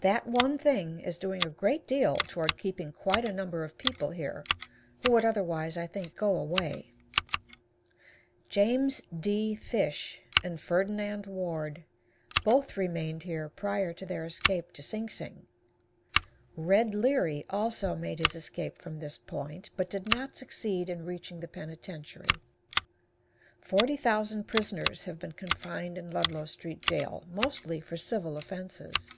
That one thing is doing a great deal toward keeping quite a number of people here who would otherwise, I think, go away. James D. Fish and Ferdinand Ward both remained here prior to their escape to Sing Sing. Red Leary, also, made his escape from this point, but did not succeed in reaching the penitentiary. Forty thousand prisoners have been confined in Ludlow Street Jail, mostly for civil offenses.